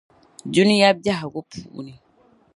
Dunia bεhigu puuni.